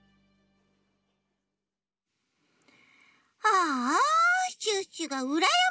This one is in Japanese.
ああシュッシュがうらやましい。